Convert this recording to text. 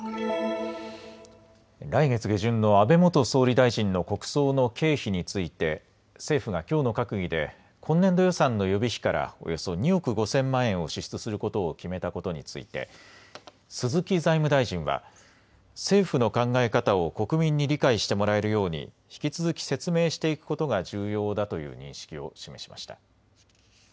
来月下旬の安倍元総理大臣の国葬の経費について政府がきょうの閣議で今年度予算の予備費からおよそ２億５０００万円を支出することを決めたことについて鈴木財務大臣は政府の考え方を国民に理解してもらえるように引き続き説明していくことが重要だという認識を示しました。